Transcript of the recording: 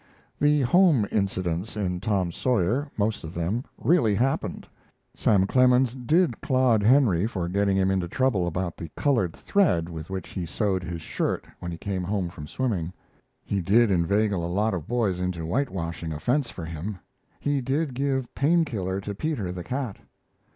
The home incidents in 'Tom Sawyer', most of them, really happened. Sam Clemens did clod Henry for getting him into trouble about the colored thread with which he sewed his shirt when he came home from swimming; he did inveigle a lot of boys into whitewashing, a fence for him; he did give Pain killer to Peter, the cat.